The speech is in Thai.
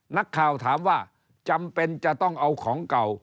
นักข่าวถามว่าจำเป็นจะต้องเอาของเก่า